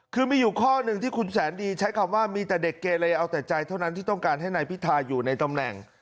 คือมีอยู่ข้อหนึ่งที่คุณแสนดีใช้คำว่ามีแต่เด็กเกเลเอาแต่ใจเท่านั้นที่ต้องการให้นายพิทาอยู่ในตำแหน่ง